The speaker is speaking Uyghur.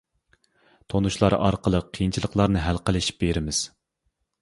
تونۇشلار ئارقىلىق قىيىنچىلىقلارنى ھەل قىلىشىپ بېرىمىز.